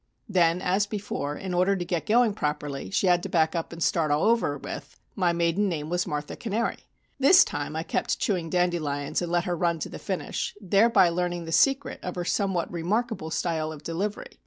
Then, as before, in order to get going properly, she had to back up and start all over with: "My maiden name was Martha Cannary." This time I kept chewing dandelions and let her run on to the finish, thereby learning the secret of her somewhat remarkable style of delivery.